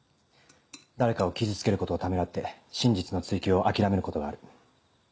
誰かを傷つけることをためらって真実の追求を諦めることがある。